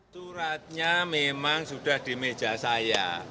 suratnya memang sudah di meja saya